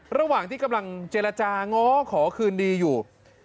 ระหว่างที่กำลังเจรจาง้อขอคืนดีอยู่